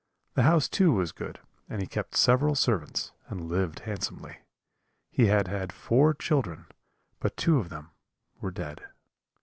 The house too was good, and he kept several servants, and lived handsomely. He had had four children, but two of them were dead.